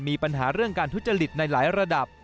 มีปัญหาเรื่องการทุจริตในหลายระดับ